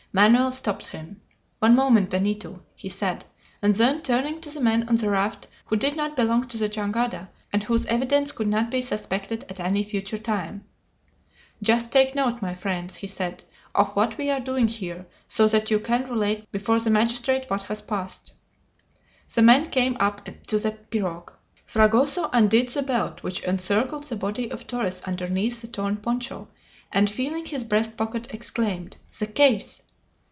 Manoel stopped him. "One moment, Benito," he said; and then, turning to the men on the raft who did not belong to the jangada, and whose evidence could not be suspected at any future time: "Just take note, my friends," he said, "of what we are doing here, so that you can relate before the magistrate what has passed." The men came up to the pirogue. Fragoso undid the belt which encircled the body of Torres underneath the torn poncho, and feeling his breast pocket, exclaimed: "The case!"